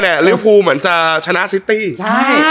เงียบเกี๊บดิเฮ้ย